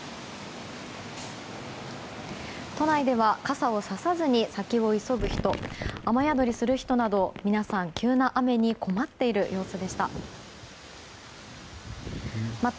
都内では傘をささずに先を急ぐ人雨宿りする人など皆さん、急な雨に困っている様子でした。